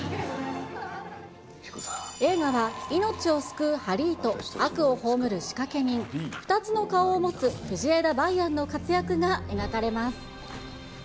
映画は命を救うはり医と、悪を葬る仕掛け人、２つの顔を持つ藤枝梅安の活躍が描かれます。